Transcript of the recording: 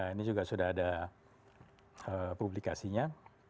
ini juga sudah ada publikasinya